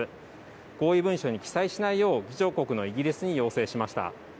合意文書に記載しないよう、議長国のイギリスに要請しました。